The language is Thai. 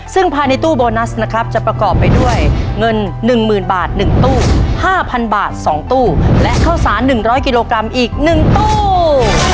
ซึ่งภายในตู้โบนัสนะครับจะประกอบไปด้วยเงิน๑๐๐๐บาท๑ตู้๕๐๐บาท๒ตู้และข้าวสาร๑๐๐กิโลกรัมอีก๑ตู้